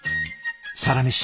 「サラメシ」